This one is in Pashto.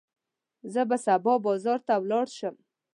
زه به سبا بازار ته ولاړ شم.